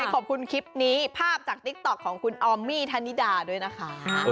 ขอบคุณคลิปนี้ภาพจากติ๊กต๊อกของคุณออมมี่ธนิดาด้วยนะคะ